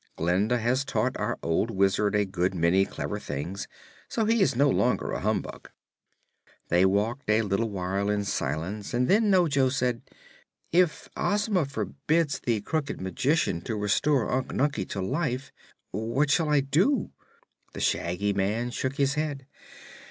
Glinda has taught our old Wizard a good many clever things, so he is no longer a humbug." They walked a little while in silence and then Ojo said: "If Ozma forbids the Crooked Magician to restore Unc Nunkie to life, what shall I do?" The Shaggy Man shook his head.